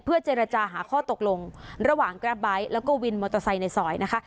เจรจาหาข้อตกลงระหว่างกราฟไบท์แล้วก็วินมอเตอร์ไซค์ในซอยนะคะ